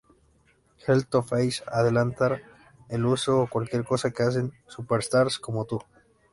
Heel to Face Alentar el uso o cualquier cosa que hacen Superstars como tú.